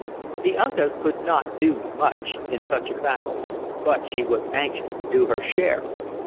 The Uncas could not do much in such a battle; but she was anxious to do her share.